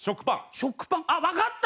食パンあっわかった！